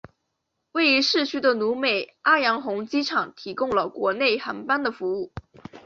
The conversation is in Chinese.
位于市区的努美阿洋红机场提供了国内航班的服务。